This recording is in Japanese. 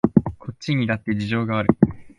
こちらにだって事情がある